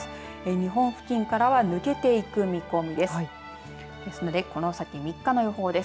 日本付近からは抜けていく見込みです。